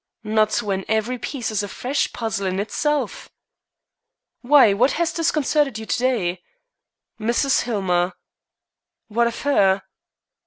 "Not when every piece is a fresh puzzle in itself." "Why, what has disconcerted you to day?" "Mrs. Hillmer." "What of her?"